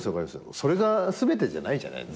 それが全てじゃないじゃないですか。